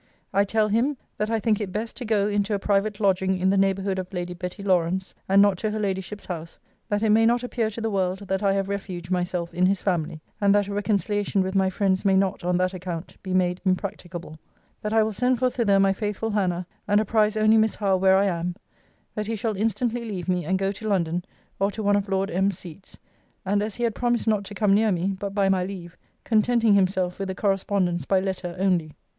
I tell him, 'That I think it best to go into a private lodging in the neighbourhood of Lady Betty Lawrance; and not to her ladyship's house; that it may not appear to the world that I have refuged myself in his family; and that a reconciliation with my friends may not, on that account, be made impracticable: that I will send for thither my faithful Hannah; and apprize only Miss Howe where I am: that he shall instantly leave me, and go to London, or to one of Lord M.'s seats; and as he had promised not to come near me, but by my leave; contenting himself with a correspondence by letter only.